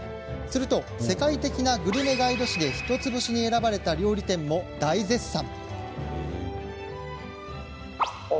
すると世界的なグルメガイド誌で１つ星に選ばれた料理店も大絶賛。